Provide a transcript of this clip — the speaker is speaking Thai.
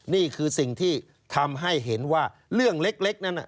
นี่คือสิ่งที่ทำให้เห็นว่าเรื่องเล็กนั้น